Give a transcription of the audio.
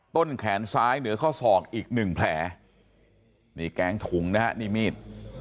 ต้นแขนซ้ายเหนือเข้าศอกอีก๑แผลมีแกงถุงนะฮะนี่มีด